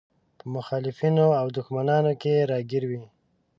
په مخالفينو او دښمنانو کې راګير وي.